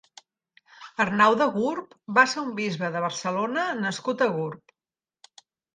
Arnau de Gurb va ser un bisbe de Barcelona nascut a Gurb.